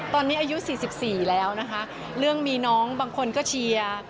ตอนนี้อายุ๔๔แล้วนะคะเรื่องมีน้องบางคนก็เชียร์